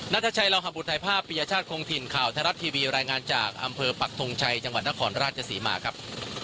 นัทชัยลาวหบุตรถ่ายภาพปียชาติคงถิ่นข่าวไทยรัฐทีวีรายงานจากอำเภอปักทงชัยจังหวัดนครราชศรีมาครับ